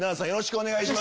お願いします。